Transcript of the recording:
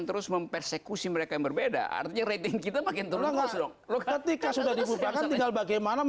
terus mempersekusi mereka yang berbeda arti rating kita makin turun dong lo ketika sudah dibuka bagaimana